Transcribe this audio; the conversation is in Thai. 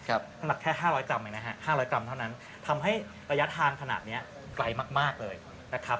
ขนาดแค่๕๐๐กรัมเท่านั้นทำให้ระยะทางขนาดนี้ไกลมากเลยนะครับ